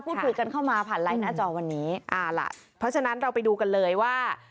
พูดคุยกันเข้ามาผ่านไลน์หน้าจอวันนี้เอาล่ะเพราะฉะนั้นเราไปดูกันเลยว่า